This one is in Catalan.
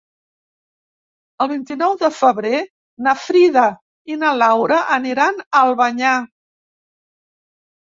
El vint-i-nou de febrer na Frida i na Laura aniran a Albanyà.